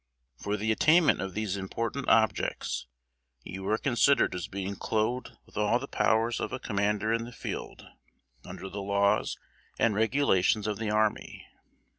For the attainment of these important objects, you are considered as being clothed with all the powers of a commander in the field, under the laws and regulations of the army.